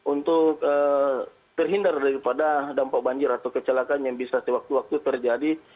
untuk terhindar daripada dampak banjir atau kecelakaan yang bisa sewaktu waktu terjadi